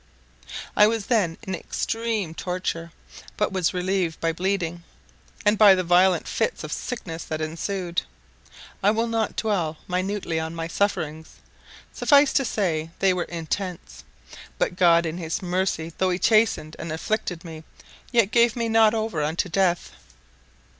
I was then in extreme torture; but was relieved by bleeding, and by the violent fits of sickness that ensued. I will not dwell minutely on my sufferings, suffice to say, they were intense; but God, in his mercy, though he chastened and afflicted me, yet gave me not over unto death.